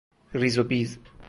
ریز و بیز